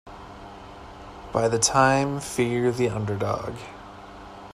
By the time fear the underdog.